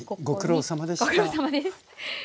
ご苦労さまです。